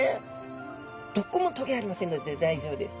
どこもトゲありませんので大丈夫です。